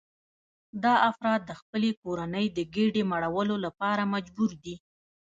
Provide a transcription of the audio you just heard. دا افراد د خپلې کورنۍ د ګېډې مړولو لپاره مجبور دي